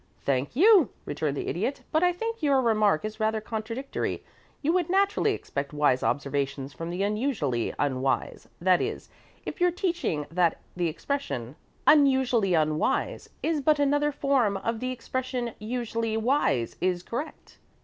"Thank you," returned the Idiot. "But I think your remark is rather contradictory. You would naturally expect wise observations from the unusually unwise; that is, if your teaching that the expression 'unusually unwise' is but another form of the expression 'usually wise' is correct.